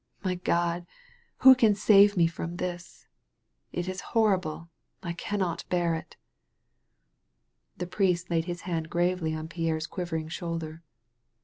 my Grod ! who can save me from this? It is horrible. I cannot bear it." The priest laid his hand gently on Pierre's quiv ering shoulder.